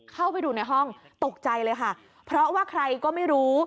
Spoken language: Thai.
เข้าไปดูในห้องตกใจเลยค่ะเพราะว่าใครก็ไม่รู้